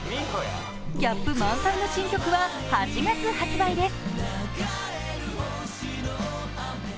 ギャップ満載の新曲は８月発売です